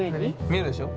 見えるでしょ？